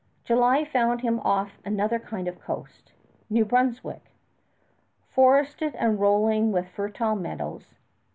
July found him off another kind of coast New Brunswick forested and rolling with fertile meadows.